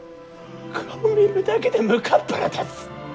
顔見るだけでむかっぱら立つ！